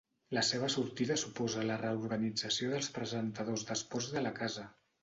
La seva sortida suposa la reorganització dels presentadors d'esports de la casa.